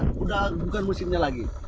dia udah bukan musimnya lagi